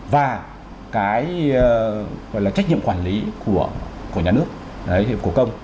và cái gọi là trách nhiệm quản lý của nhà nước cổ công